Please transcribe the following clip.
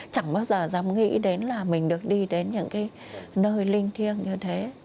chẳng bao giờ dám nghĩ đến là mình được đi đến những cái nơi linh thiêng như thế